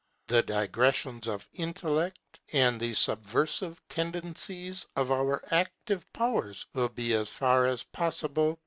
The digressions of intellect, and the subversive tendencies of our active powers will be as far as possible prevented.